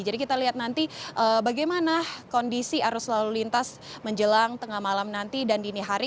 jadi kita lihat nanti bagaimana kondisi arus selalu lintas menjelang tengah malam nanti